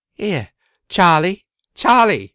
Here, Charley, Charley!"